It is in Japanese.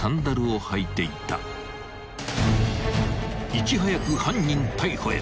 ［いち早く犯人逮捕へ］